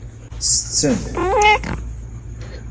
Setten.